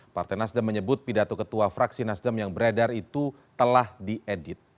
partai nasdem menyebut pidato ketua fraksi nasdem yang beredar itu telah diedit